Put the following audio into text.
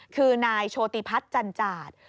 คือนายโชติพัฒน์จันจาด